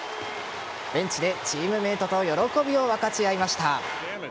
ベンチでチームメートと喜びを分かち合いました。